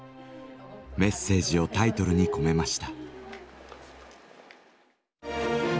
メッセージをタイトルに込めました。